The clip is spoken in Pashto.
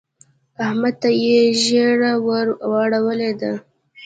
احمد ته يې ژیړه ور واړولې ده.